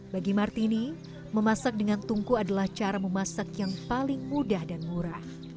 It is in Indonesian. bagi martini memasak dengan tungku adalah cara memasak yang paling mudah dan murah